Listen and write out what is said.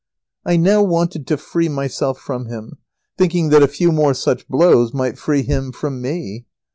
I now wanted to free myself from him, thinking that a few more such blows might free him from me.